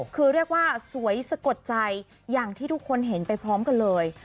คือเรียกว่าสวยสะกดใจอย่างที่ทุกคนเห็นไปพร้อมกันเลย